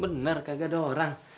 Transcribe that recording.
bener gak ada orang